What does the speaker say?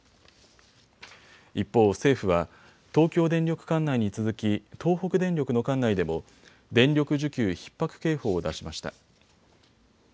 一方、政府は東京電力管内に続き東北電力の管内でも電力需給ひっ迫警報を出しました。